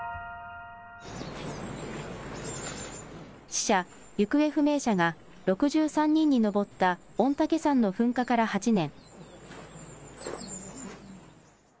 死者・行方不明者が６３人に上った御嶽山の噴火から８年。